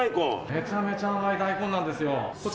めちゃめちゃ甘い大根なんですよ。